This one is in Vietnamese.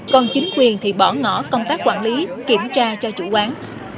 còn chính quyền thì bỏ ngỏ công tác quản lý kiểm tra cho chủ quán